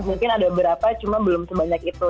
mungkin ada berapa cuma belum sebanyak itu